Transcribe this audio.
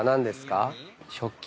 食器？